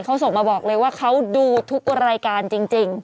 เขาส่งมาบอกเลยว่าเขาดูทุกรายการจริง